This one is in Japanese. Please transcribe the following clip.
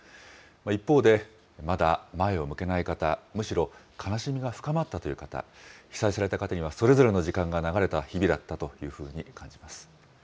一方で、まだ前を向けない方、むしろ悲しみが深まったという方、被災された方にはそれぞれの時間が流れた日々だったというふうに感じます。